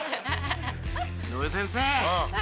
井上先生！